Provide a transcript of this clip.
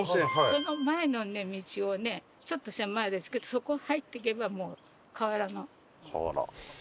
その前の道をねちょっと狭いですけどそこを入っていけばもう河原の。